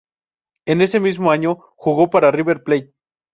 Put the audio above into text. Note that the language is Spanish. En ese mismo año jugó para River Plate.